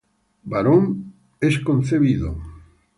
Varón es concebido.